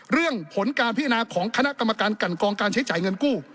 เรื่องผลการพิจารณาของคณะกรรมการกันกรองการใช้จ่ายเงินกู้